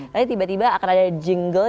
tapi tiba tiba akan ada jingle